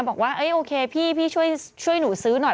บอกว่าโอเคพี่ช่วยหนูซื้อหน่อย